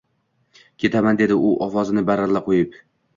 Ketaman! – dedi u ovozini baralla qo‘yib.